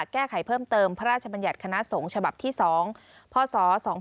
แก้ไขเพิ่มเติมพระราชบัญญัติคณะสงฆ์ฉบับที่๒พศ๒๕๖